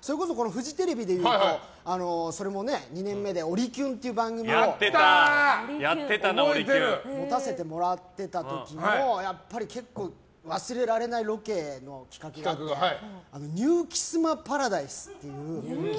それこそフジテレビでいうと２年目で「オリキュン」という番組を持たせてもらってた時もやっぱり結構忘れられないロケの企画があってニュー・キスマ・パラダイス。